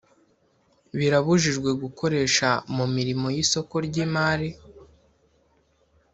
birabujijwe gukoresha mu mirimo y isoko ry imari